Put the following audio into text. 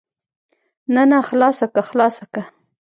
نه نه خلاصه که خلاصه که.